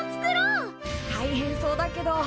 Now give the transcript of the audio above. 大変そうだけど。